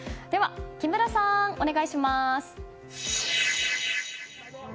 木村さん、お願いします！